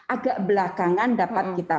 agak belakangan dapat kita